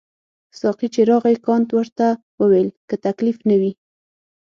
ساقي چې راغی کانت ورته وویل که تکلیف نه وي.